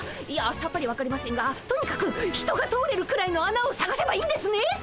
いやさっぱりわかりませんがとにかく人が通れるくらいのあなをさがせばいいんですね。